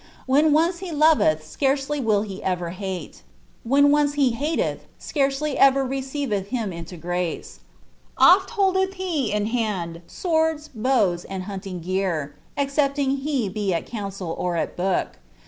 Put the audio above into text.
Wlien once he lovelh, scarcdy will he ever hate; when once he hatelh, scarcely ever receiveth he iuo ^race. Oft holdedi he in hand swords, bows, and hunting gear, exer^ ing he be at council or at book.